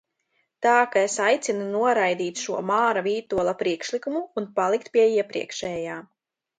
Tā ka es aicinu noraidīt šo Māra Vītola priekšlikumu un palikt pie iepriekšējā.